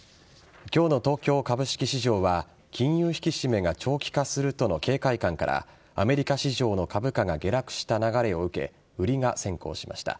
今日の東京株式市場は金融引き締めが長期化するとの警戒感からアメリカ市場の株価が下落した流れを受けて売りが先行しました。